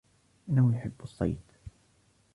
إنه يحب الصيد.